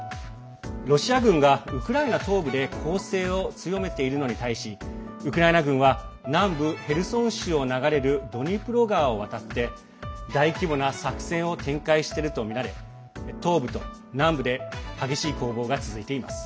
ロシア軍がウクライナ東部で攻勢を強めているのに対しウクライナ軍は南部ヘルソン州を流れるドニプロ川を渡って大規模な作戦を展開しているとみられ東部と南部で激しい攻防が続いています。